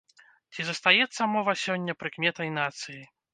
Ці застаецца мова сёння прыкметай нацыі?